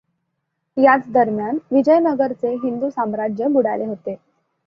याच दरम्यान विजयनगरचे हिंदू साम्राज्य बुडाले होते.